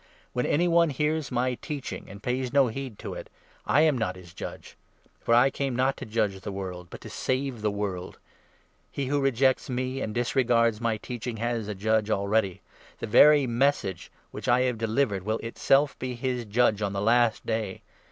When any one hears my teach 47 ing^ and pays no heed to it, I am not his judge ; for I came not to judge the world, but to save the world. He who rejects me, 48 and disregards my teaching, has a judge already — the very Message which I have delivered will itself be his judge at the Last Day.